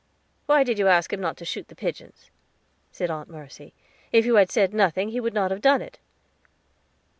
"Why did you ask him not to shoot the pigeons?" said Aunt Mercy. "If you had said nothing, he would not have done, it."